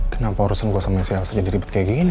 kenapa urusan gue sama si elsa jadi ribet kayak gini ya